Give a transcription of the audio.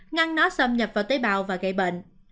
ngăn nó xâm nhập vào tế bào và gây bệnh